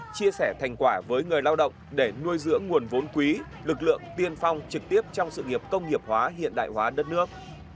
chia sẻ thành quả với người lao động để nuôi dưỡng nguồn vốn quý lực lượng tiên phong trực tiếp trong sự nghiệp công nghiệp hóa hiện đại hóa đất nước